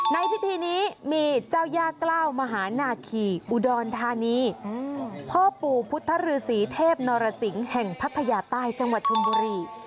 ในพิธีนี้มีเจ้าย่ากล้าวมหานาคีอุดรธานีพ่อปู่พุทธฤษีเทพนรสิงศ์แห่งพัทยาใต้จังหวัดชนบุรี